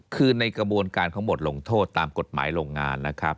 คือในกระบวนการของบทลงโทษตามกฎหมายโรงงานนะครับ